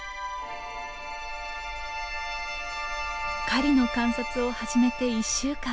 狩りの観察を始めて１週間。